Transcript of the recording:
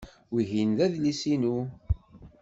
Wihin d adlis-inu?